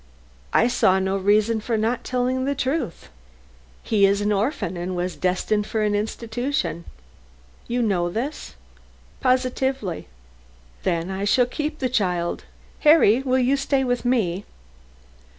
I saw no reason for not telling the truth. "He is an orphan, and was destined for an institution." "You know this?" "Positively." "Then I shall keep the child. Harry, will you stay with me?"